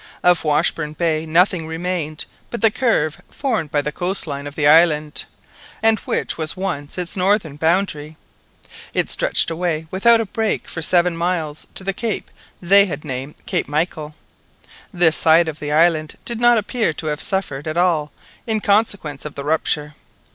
Of Washburn Bay, nothing remained but the curve formed by the coast line of the island, and which was once its northern boundary. It stretched away without a break for seven miles to the cape they had named Cape Michael. This side of the island did not appear to have suffered at all in consequence of the rupture.